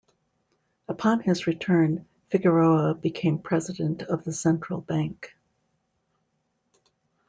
Upon his return, Figueroa became president of the Central Bank.